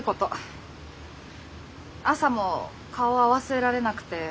朝も顔合わせられなくて。